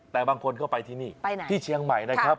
แต่บางคนเข้าไปที่นี่ที่เชียงใหม่นะครับ